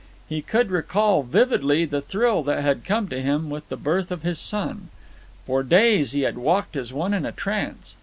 He could recall vividly the thrill that had come to him with the birth of his son. For days he had walked as one in a trance.